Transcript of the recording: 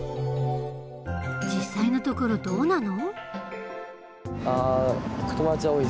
実際のところどうなの？